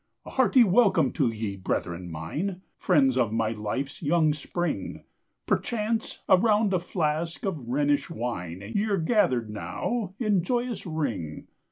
A hearty welcome to ye, brethren mine! Friends of my life's young spring! Perchance around a flask of Rhenish wine Ye're gathered now, in joyous ring.